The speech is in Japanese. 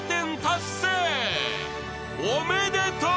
［おめでとう］